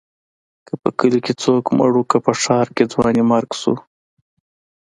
که په کلي کې څوک مړ و، که په ښار کې ځوانيمرګ شو.